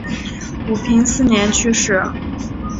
武平四年去世。